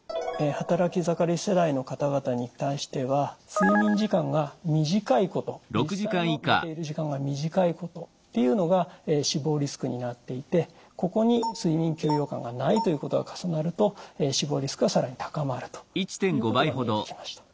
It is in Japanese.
働き盛り世代の方々に対しては睡眠時間が短いこと実際の寝ている時間が短いことというのが死亡リスクになっていてここに睡眠休養感がないということが重なると死亡リスクが更に高まるということが見えてきました。